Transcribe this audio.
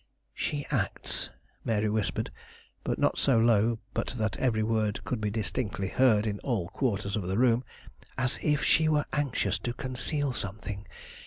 She acts" Mary whispered, but not so low but that every word could be distinctly heard in all quarters of the room "as if she were anxious to conceal something.